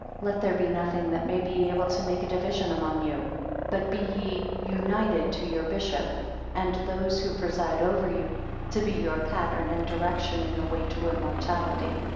7 Let there be nothing that may be able to make a division among you; but be ye united to your bishop, and those who preside over you, to be your pattern and direction in the way to immortality.